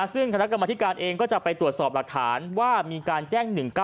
ซึ่งคณะกรรมธิการเองก็จะไปตรวจสอบหลักฐานว่ามีการแจ้ง๑๙๑